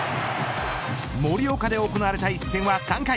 盛岡で行われた一戦は３回。